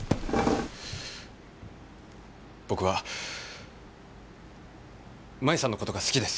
僕は舞さんのことが好きです。